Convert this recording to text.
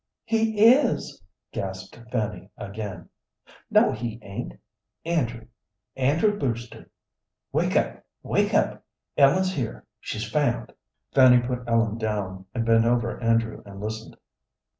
"He is!" gasped Fanny, again. "No, he ain't. Andrew, Andrew Brewster, wake up, wake up! Ellen's here! She's found!" Fanny put Ellen down, and bent over Andrew and listened.